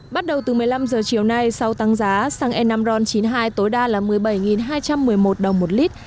bắt đầu từ một mươi năm giờ chiều nay sau tăng giá xăng e năm ron chín mươi hai tối đa là một mươi bảy hai trăm một mươi một đồng một lít